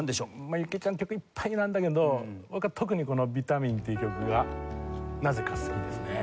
由紀江ちゃんの曲いっぱいいいのあるんだけど僕は特にこの『ビタミン』っていう曲がなぜか好きですね。